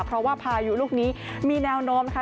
เพราะว่าพายุลูกนี้มีแนวโน้มค่ะ